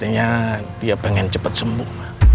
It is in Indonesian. artinya dia pengen cepat sembuh